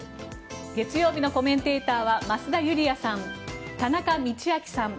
月曜日のコメンテーターは増田ユリヤさん、田中道昭さん。